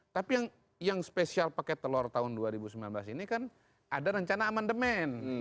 tapi yang spesial pakai telur tahun dua ribu sembilan belas ini kan ada rencana amandemen